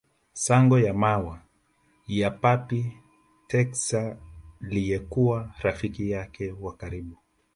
Sango ya mawa ya Papy Texaliyekuwa rafiki yake wa karibu